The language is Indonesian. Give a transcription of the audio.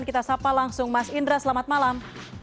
kita sapa langsung mas indra selamat malam